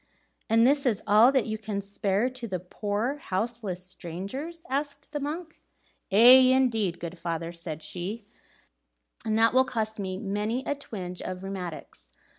"And is this all that you can spare to the poor houseless strangers?" asked the monk. "Aye, indeed, good father," said she, "and that will cost me many a twinge of rheumatics.